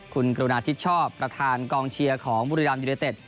คุณกรุณาทิศชอบประธานกองเชียร์ของบุรีรัมยูเนเต็ด